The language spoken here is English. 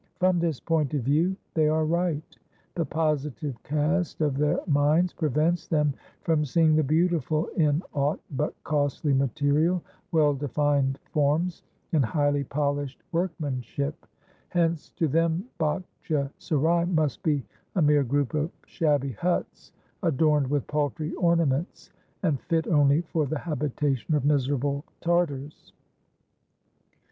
From this point of view they are right. The positive cast of their minds prevents them from seeing the beautiful in aught but costly material, well defined forms, and highly polished workmanship: hence, to them Bagtche Serai must be a mere group of shabby huts adorned with paltry ornaments, and fit only for the habitation of miserable Tartars."